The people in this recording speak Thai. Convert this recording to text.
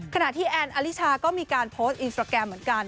ขณะที่แอนอลิชาก็มีการโพสต์อินสตราแกรมเหมือนกัน